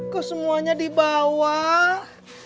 kok semuanya di bawah